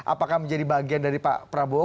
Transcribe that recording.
apakah menjadi bagian dari pak prabowo